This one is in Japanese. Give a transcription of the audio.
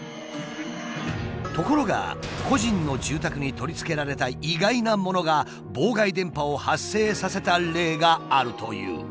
ところが個人の住宅に取り付けられた意外なものが妨害電波を発生させた例があるという。